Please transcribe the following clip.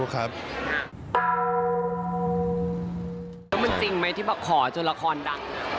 แล้วมันจริงไหมที่ขอจนละครดัง